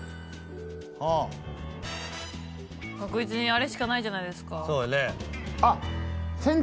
確実にあれしかないじゃないですか。